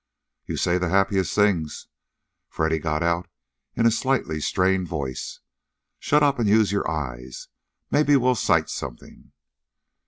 "You say the happiest things!" Freddy got out in a slightly strained voice. "Shut up, and use your eyes. Maybe we'll sight something."